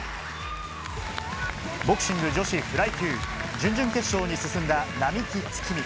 ボクシング女子フライ級、準々決勝に進んだ並木月海。